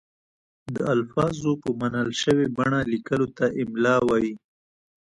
د الفاظو په منل شوې بڼه لیکلو ته املاء وايي.